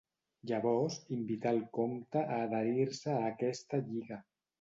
Llavors invità el comte a adherir-se a aquesta lliga.